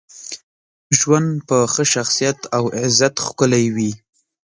ژوند په ښه شخصیت او عزت ښکلی وي.